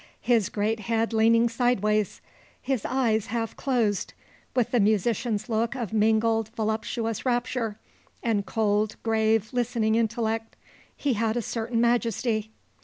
His great head leaning sideways, his eyes half closed, with the musician's look of mingled voluptuous rapture and cold, grave, listening intellect, he had a certain majesty.